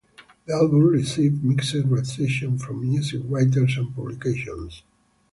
The album received mixed reception from music writers and publications.